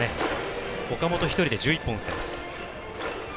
岡本１人で１１本打っています。